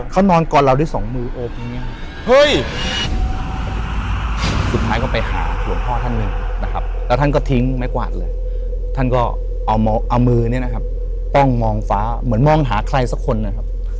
เขานอนกรดเราด้วยสองมือโอบแบบนี้